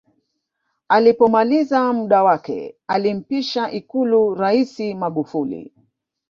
alipomaliza muda wake alimpisha ikulu raisi magufuli